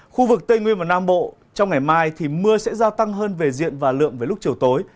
khu vực tây nguyên và nam bộ trong ngày mai thì mưa sẽ gia tăng hơn về diện và lượng với lúc chiều tối